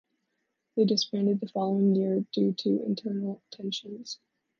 They disbanded the following year due to internal tensions.